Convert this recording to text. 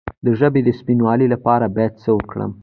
د ژبې د سپینوالي لپاره باید څه وکړم؟